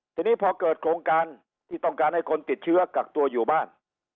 ทีนี้พอเกิดโครงการที่ต้องการให้คนติดเชื้อกักตัวอยู่บ้าน